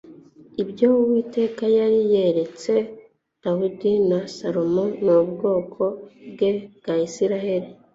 ibyo uwiteka yari yeretse dawidi na salomo n'ubwoko bwe bwa isirayeli